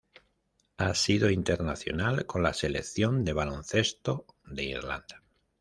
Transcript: Ha sido internacional con la Selección de baloncesto de Irlanda.